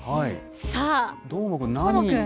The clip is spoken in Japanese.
さあ、どーもくん。